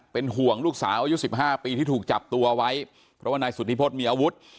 เป็นห่วงลูกสาวอายุ๑๕ปีที่ถูกจับตัวไว้เพราะว่านายสุธิพฤษมีอาวุธ